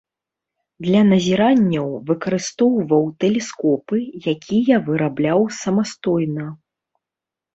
Для назіранняў выкарыстоўваў тэлескопы, якія вырабляў самастойна.